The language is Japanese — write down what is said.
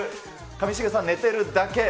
上重さん、寝てるだけ。